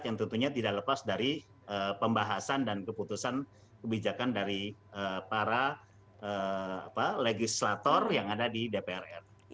yang tentunya tidak lepas dari pembahasan dan keputusan kebijakan dari para legislator yang ada di dpr ri